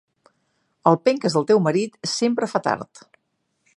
El penques del teu marit sempre fa tard.